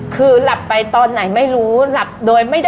ไข้ทั้งหมด